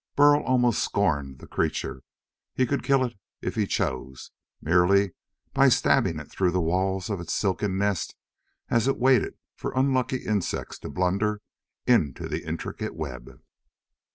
Burl almost scorned the creature. He could kill it if he chose, merely by stabbing it though the walls of its silken nest as it waited for unlucky insects to blunder into the intricate web.